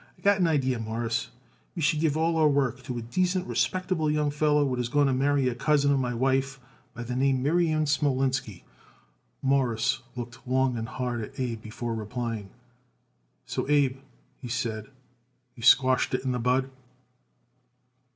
I got an idee, Mawruss: we should give all our work to a decent, respectable young feller what is going to marry a cousin of my wife, by the name Miriam Smolinski." Morris looked long and hard at Abe before replying. "So, Abe," he said, "you squashed it in the bud!"